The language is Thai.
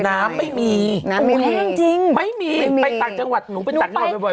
น้ำไม่มีน้ำไม่มีหนูกาลจังหวัดหนูเป็นตันครรภ์บ่อย